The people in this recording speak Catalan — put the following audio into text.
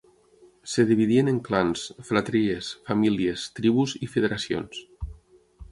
Es dividien en clans, fratries, famílies, tribus i federacions.